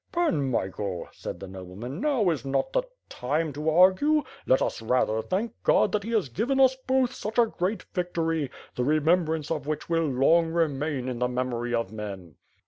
"Pan Michael," said the nobleman, "now is not the time WITH FIRE AND 8W0RD. ^gg to argue. Let us, rather, thank God that he has given xl& both such a great victory, the remembrance of which will long remain in the memory of men."